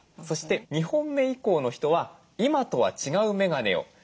そして２本目以降の人は今とは違うメガネを。